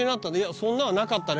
そんなんはなかったね